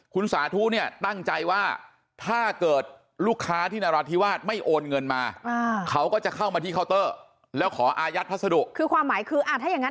คือถ้าอย่างงั้นเอาของกลับมาหรือ